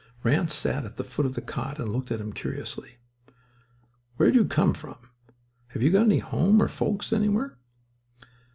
Ranse sat on the foot of the cot and looked at him curiously. "Where did you come from—have you got any home or folks anywhere?"